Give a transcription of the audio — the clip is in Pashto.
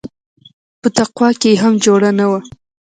په تقوا کښې يې هم جوړه نه وه.